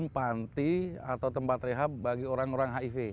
panti atau tempat rehab bagi orang orang hiv